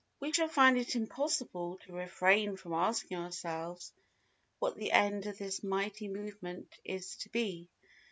We shall find it impossible to refrain from asking ourselves what the end of this mighty movement is to be.